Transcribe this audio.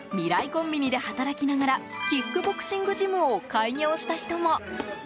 コンビニで働きながらキックボクシングジムを開業した人も。